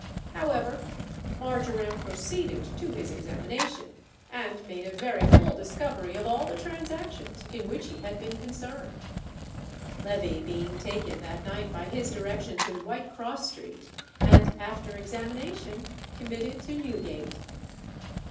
However, Marjoram proceeded to his examination, and made a very full discovery of all the transactions in which he had been concerned. Levee being taken that night by his directions in White Cross Street, and after examination committed to Newgate.